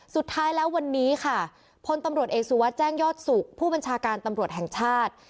สุดท้ายแล้ววันนี้ค่ะพลตำรวจเอกสุวัสดิแจ้งยอดสุขผู้บัญชาการตำรวจแห่งชาติ